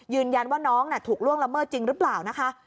ยืนยันว่าน้องถูกล่วงละเมิดจริงหรือเปล่านะคะ